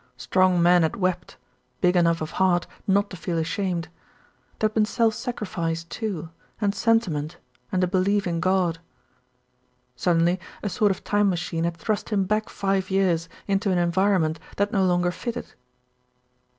Strong men had wept, big enough of heart not to feel ashamed. There had been self sacrifice, too, and sentiment, and a be lief in God. Suddenly a sort of time machine had thrust him THE GIRL AT THE WINDOW 15 back five years into an environment that no longer fitted.